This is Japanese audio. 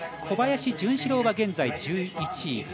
小林潤志郎は現在１１位。